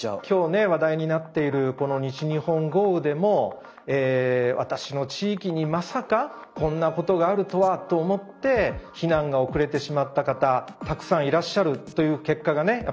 今日ね話題になっているこの西日本豪雨でも私の地域にまさかこんなことがあるとはと思って避難が遅れてしまった方たくさんいらっしゃるという結果がね